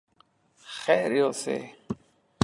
خير يوسې!